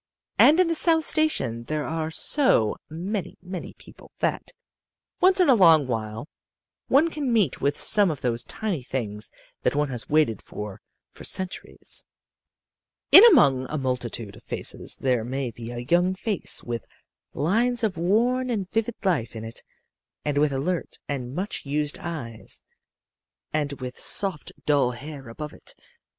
"And in the South Station there are so many, many people, that, once in a long while, one can meet with some of those tiny things that one has waited for for centuries. In among a multitude of faces there may be a young face with lines of worn and vivid life in it, and with alert and much used eyes, and with soft dull hair above it.